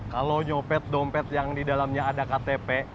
kalau nyopet dompet yang di dalamnya ada ktp